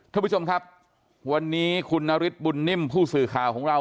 ท่านผู้ชมครับวันนี้คุณนฤทธิบุญนิ่มผู้สื่อข่าวของเรา